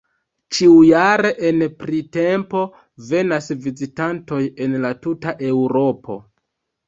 Ĉiujare en printempo venas vizitantoj el la tuta Eŭropo.